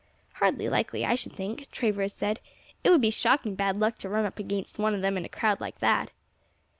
"Hardly likely, I should think," Travers said; "it would be shocking bad luck to run against one of them in a crowd like that."